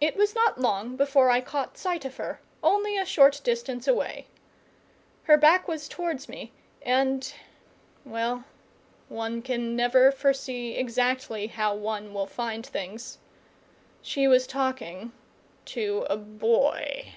It was not long before I caught sight of her, only a short distance away. Her back was towards me and well, one can never foresee exactly how one will find things she was talking to a Boy.